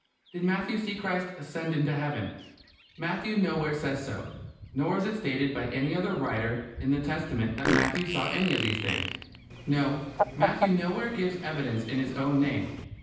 Did Matthew see Christ ascend into Heaven? Matthew nowhere says so. Nor is it stated by any other writer in the Testament that Matthew saw any of these things. No: Matthew nowhere gives evidence in his own name.